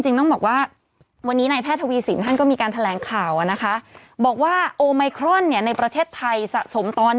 จนถึง๒๗ธันวาคม